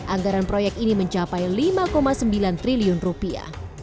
anggaran proyek ini mencapai lima sembilan triliun rupiah